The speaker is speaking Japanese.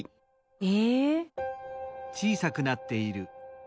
え。